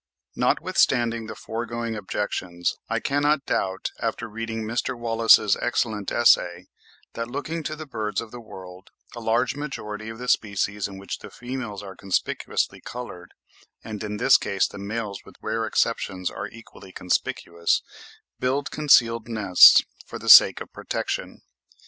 Notwithstanding the foregoing objections, I cannot doubt, after reading Mr. Wallace's excellent essay, that looking to the birds of the world, a large majority of the species in which the females are conspicuously coloured (and in this case the males with rare exceptions are equally conspicuous), build concealed nests for the sake of protection.